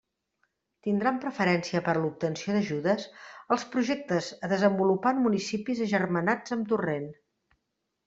Tindran preferència per a l'obtenció d'ajudes, els projectes a desenvolupar en municipis agermanats amb Torrent.